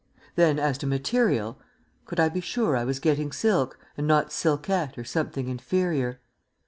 Then as to material could I be sure I was getting silk, and not silkette or something inferior?